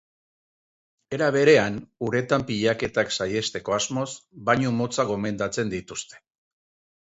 Era berean, uretan pilaketak saihesteko asmoz, bainu motzak gomendatzen dituzte.